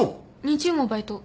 日曜もバイト。